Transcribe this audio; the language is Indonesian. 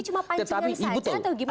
jadi cuma panjang saja atau gimana